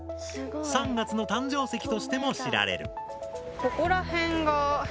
３月の誕生石としても知られる。